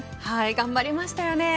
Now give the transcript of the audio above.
頑張りましたよね。